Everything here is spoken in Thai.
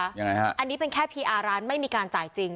ยังไงฮะอันนี้เป็นแค่พีอาร์ร้านไม่มีการจ่ายจริง